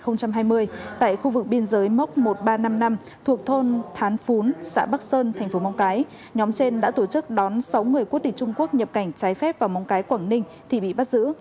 ngày một mươi sáu hai nghìn hai mươi tại khu vực biên giới mốc một trăm ba mươi năm năm thuộc thôn thán phún xã bắc sơn thành phố móng cái nhóm trên đã tổ chức đón sáu người quốc tịch trung quốc nhập cảnh trái phép vào móng cái quảng ninh thì bị bắt giữ